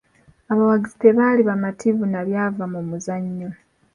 Abawagizi tebaali bamativu na byava mu muzannyo.